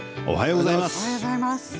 おはようございます。